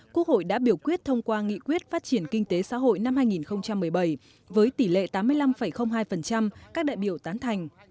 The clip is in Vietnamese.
quốc hội đã biểu quyết thông qua nghị quyết phát triển kinh tế xã hội năm hai nghìn một mươi bảy với tỷ lệ tám mươi năm hai các đại biểu tán thành